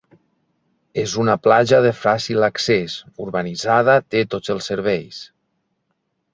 És una platja de fàcil accés, urbanitzada, té tots els serveis.